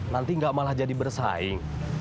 nanti nggak malah jadi bersaing